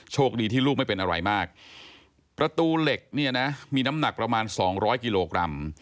โชคดีที่ลูกไม่เป็นอะไรมากประตูเหล็กเนี่ยนะมีน้ำหนักประมาณสองร้อยกิโลกรัม